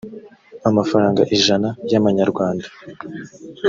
amafaranga ijana y amanyarwanda